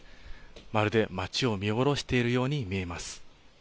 まるで町を見下ろしているように見えます。